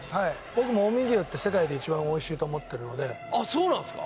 僕も近江牛って世界で一番おいしいと思ってるのであそうなんすか？